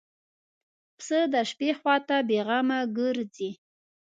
پسه د شپې خوا ته بېغمه ګرځي.